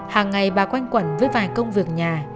hàng ngày bà quanh quẩn với vài công việc nhà